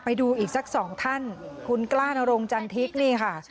ไปดูอีกสักสองท่านคุณกล้านรงจันทิกนี่ค่ะ